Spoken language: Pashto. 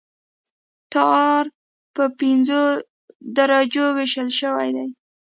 ټار په پنځو درجو ویشل شوی دی